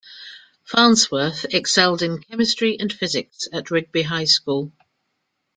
Farnsworth excelled in chemistry and physics at Rigby High School.